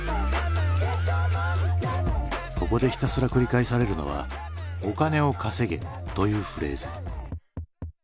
ここでひたすら繰り返されるのは「お金を稼げ」というフレーズ。